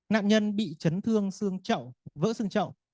nạn nhân bị chấn thương xương chậu vỡ xương trậu